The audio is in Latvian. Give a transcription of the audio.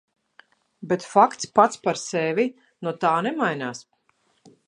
Bet fakts pats par sevi no tā nemainās.